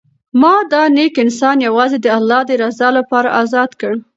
ما دا نېک انسان یوازې د الله د رضا لپاره ازاد کړ.